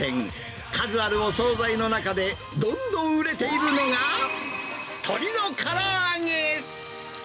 数あるお総菜の中で、どんどん売れているのが、鶏のから揚げ。